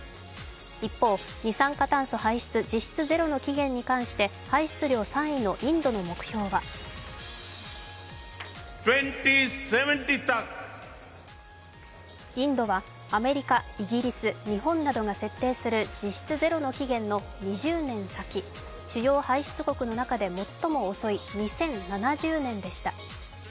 一方、二酸化炭素排出実質ゼロの期限に関して排出量３位のインドの目標はインドはアメリカイギリス、日本などが設定する実質ゼロの期限の２０年先、主要排出国の中で最も遅い２０７０年でした。